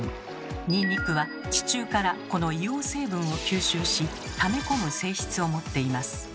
ニンニクは地中からこの硫黄成分を吸収しため込む性質を持っています。